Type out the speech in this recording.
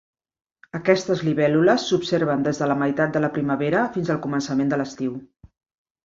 Aquestes libèl·lules s'observen des de la meitat de la primavera fins al començament de l'estiu.